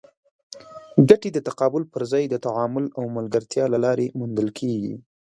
ګټې د تقابل پر ځای د تعامل او ملګرتیا له لارې موندل کېږي.